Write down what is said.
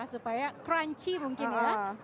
supaya crunchy mungkin ya